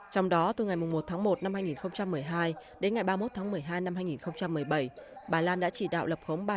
trong đó từ ngày một tháng một năm hai nghìn một mươi hai đến ngày ba mươi một tháng một mươi hai năm hai nghìn một mươi bảy bà lan đã chỉ đạo lập khống ba trăm sáu mươi tám hồ sơ vay